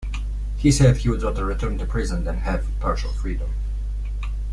He said he would rather return to prison than have partial freedom.